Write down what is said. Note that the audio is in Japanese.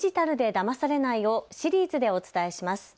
だまされないをシリーズでお伝えします。